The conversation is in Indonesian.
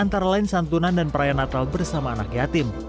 antara lain santunan dan perayaan natal bersama anak yatim